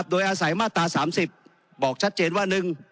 โดยอาศัยมาตรา๓๐บอกชัดเจนว่า